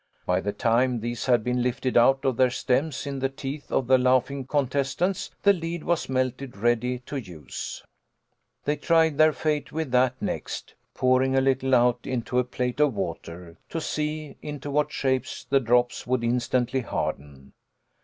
By the time these had been lifted out by their stems in the teeth of the laughing contestants, the lead was melted ready to use. They tried their fate with that next, pouring a little out into a plate of water, to see into what 154 THE LITTLE COLONEL'S HOLIDAYS, shapes the drops would instantly harden.